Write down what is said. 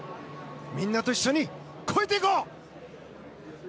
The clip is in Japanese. みんなと一緒に超えていこう！